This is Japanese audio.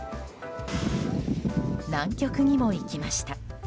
南極にも行きました。